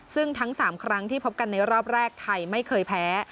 ซึ่งทั้ง๓ครั้งที่พบกันในรอบแรกไทยไม่เคยแพ้